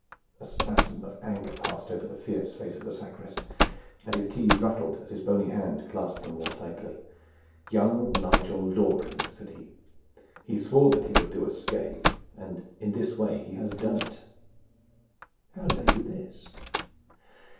A spasm of anger passed over the fierce face of the sacrist, and his keys rattled as his bony hand clasped them more tightly. "Young Nigel Loring!" said he. "He swore that he would do us scathe, and in this way he has done it." "How know you this?"